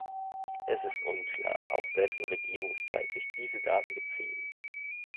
Es ist unklar, auf wessen Regierungszeit sich diese Daten beziehen.